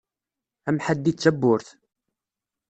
Amḥaddi d tabburt.